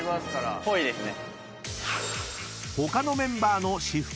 ぽいですね。